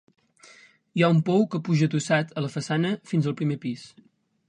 Hi ha un pou que puja adossat a la façana fins al primer pis.